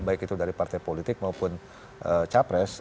baik itu dari partai politik maupun capres